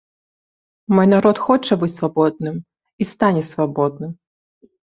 Мой народ хоча быць свабодным і стане свабодным.